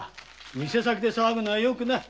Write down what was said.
店先で騒ぐのはよくない。